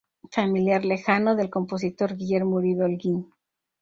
Familiar lejano del compositor Guillermo Uribe Holguín.